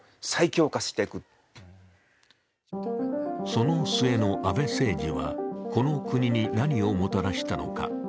その末の安倍政治はこの国に何をもたらしたのか。